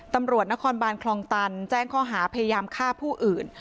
ตำรวจนครบานคลองตันแจ้งข้อหาพยายามฆ่าผู้อื่น